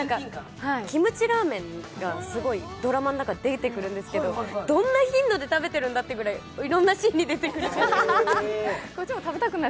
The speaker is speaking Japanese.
キムチラーメンがドラマの中に出てくるんですけど、どんな頻度で食べてるんだっていうぐらい出てくる。